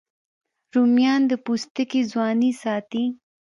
رومیان د پوستکي ځواني ساتي